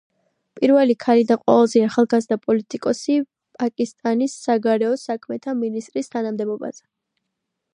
პირველი ქალი და ყველაზე ახალგაზრდა პოლიტიკოსი პაკისტანის საგარეო საქმეთა მინისტრის თანამდებობაზე.